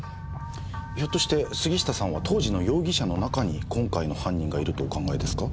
ひょっとして杉下さんは当時の容疑者の中に今回の犯人がいるとお考えですか？